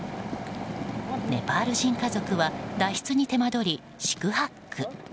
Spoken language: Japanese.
ネパール人家族は脱出に手間どり、四苦八苦。